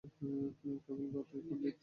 কেবল কথায় পণ্ডিত!